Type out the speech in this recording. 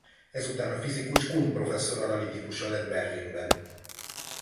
Ezután a fizikus Kundt professzor analitikusa lett Berlinben.